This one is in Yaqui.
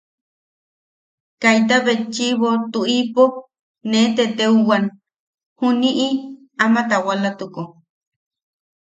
Kaita betchiʼibo tuʼipo... ne teteuʼewan, juniʼi ama taawalatuko.